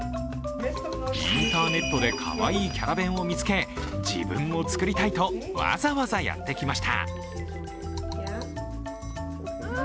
インターネットでかわいいキャラ弁を見つけ自分も作りたいとわざわざやってきました。